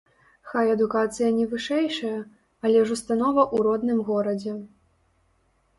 Хай адукацыя не вышэйшая, але ж установа ў родным горадзе.